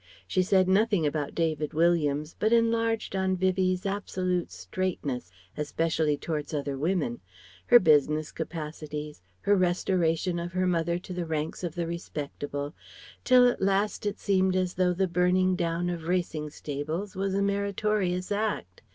She said nothing about David Williams, but enlarged on Vivie's absolute "straightness," especially towards other women; her business capacities, her restoration of her mother to the ranks of the respectable; till at last it seemed as though the burning down of racing stables was a meritorious act